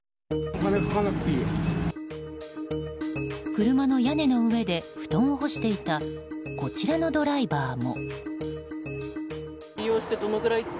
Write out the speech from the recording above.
車の屋根の上で布団を干していたこちらのドライバーも。